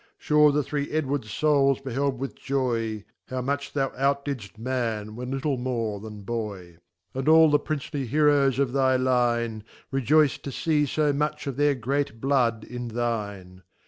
Sure the three Edwards Souls beheld with Joy, .^ How much thou outdidfl: Man, when little more than And all the "Princely Heroes of thy Line, Rejoyc d to fee fo much of their great iBlood in thine.